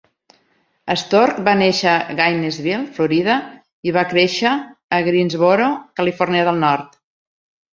Stork va néixer a Gainesville, Florida i va créixer a Greensboro, Carolina de Nord.